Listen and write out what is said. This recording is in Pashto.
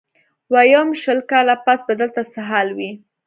ويم شل کاله پس به دلته څه حال وي.